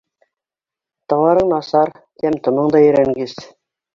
— Тауарың насар, тәм-томоңда ерәнгес!